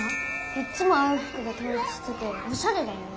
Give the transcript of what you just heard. いっつも青いふくでとう一してておしゃれだよね？